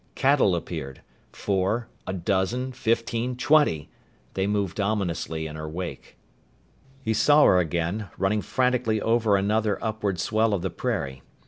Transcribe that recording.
Cattle appeared. Four, a dozen fifteen, twenty! They moved ominously in her wake. He saw her again, running frantically over another upward swell of the prairie.